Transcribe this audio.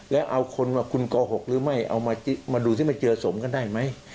แล้วเอาคนว่าคุณโกหกหรือไม่เอามาดูสิมันเจอสมกันได้ไหม